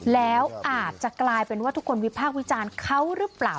แล้วอาจจะกลายเป็นว่าทุกคนวิพากษ์วิจารณ์เขาหรือเปล่า